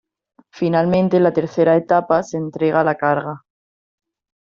Finalmente en la tercera etapa, se entrega la carga.